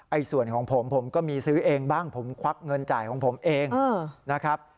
ส่วนของผมผมก็มีซื้อเองบ้างผมควักเงินจ่ายของผมเองนะครับ